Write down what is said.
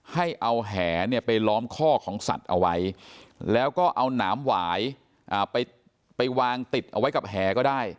ให้เอาแหเนี่ยไปล้อมข้อของสัตว์เอาไว้แล้วก็เอาหนามหวายไปวางติดเอาไว้กับแห่ก็ได้